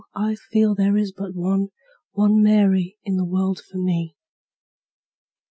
I feel there is but one, One Mary in the world for me.